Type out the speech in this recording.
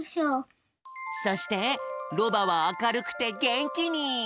そしてロバはあかるくてげんきに。